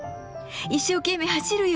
一生懸命走るよ。